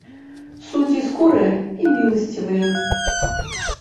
Суддзі скорыя і міласцівыя!